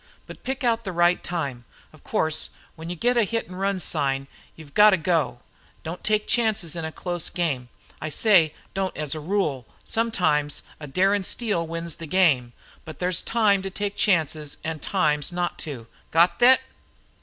But pick out the right time. Of course when you get the hit an' run sign you 've got to go. Don't take chances in a close game. I say, don't as a rule. Sometimes a darin' steal wins a game. But there's time to take chances an' times not to. Got thet?"